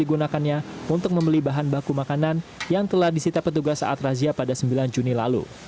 digunakannya untuk membeli bahan baku makanan yang telah disita petugas saat razia pada sembilan juni lalu